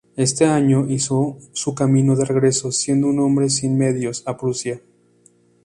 Ese año, hizo su camino de regreso, siendo un hombre sin medios, a Prusia.